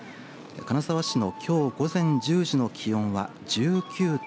金沢市のきょう午前１０時の気温は１９．７度。